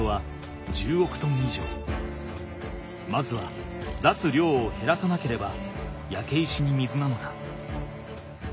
まずは出す量を減らさなければやけ石に水なのだ。